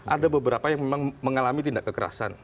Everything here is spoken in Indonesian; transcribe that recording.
ada beberapa yang memang mengalami tindak kekerasan